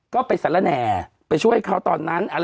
ก็ไปสารแหน่ไปช่วยเขาตอนนั้น